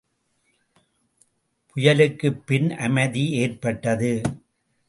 புயலுக்குப் பின் அமைதி ஏற்பட்டது.